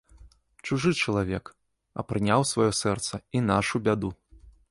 Чужы чалавек, а прыняў у сваё сэрца і нашу бяду.